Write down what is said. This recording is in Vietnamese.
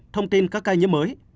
một thông tin các ca nhiễm mới